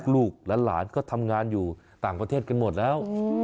ลูกและหลานก็ทำงานอยู่ต่างประเทศกันหมดแล้ว